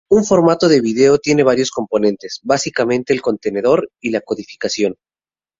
Un formato de vídeo tiene varios componentes, básicamente: el contenedor y la codificación.